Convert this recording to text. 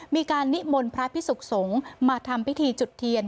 มีการนิมนต์พระพิสุขสงฆ์มาทำพิธีจุดเทียน